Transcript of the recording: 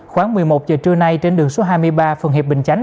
khoảng một mươi một giờ trưa nay trên đường số hai mươi ba phường hiệp bình chánh